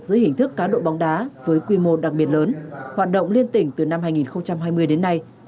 dưới hình thức cá độ bóng đá với quy mô đặc biệt lớn hoạt động liên tỉnh từ năm hai nghìn hai mươi đến nay